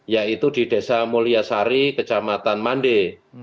yaitu di desa mulyasari kecamatan mande